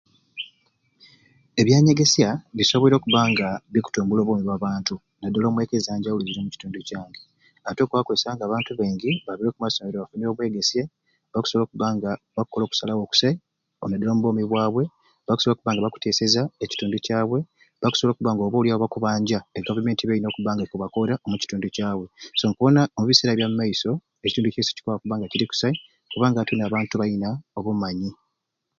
Ebyanyegesya bisoboire okubba nga bikutumbula obwoomi bwa'bantu nadala omwekka ezanjawulo omukitundu kyange. Ati okwakwesanga nga abantu baingi babiire okumasomero bafunire obwegesye bakusobola okubanga bakola okusalawo okusai ooh nadala omubwoomi bwabwe, bakusobola okuba nga bakutesereeza ekitundu kyabwe, bakusobola okubba nga oba oli awo bakubanja e gavumenti byeyina okubba nga ekubakoora omukitundu kyabwe, so nkubona omubiseera byamumaiso ekintu kyaiswe kikwakuba nga kiri kusai kubanga ati abantu bayina obumanyi.